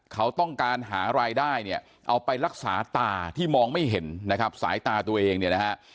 เขาต้องการหารายได้เนี่ยเอาไปรักษาตาที่มองไม่เห็นนะครับสายตาตัวเองเนี่ยนะฮะ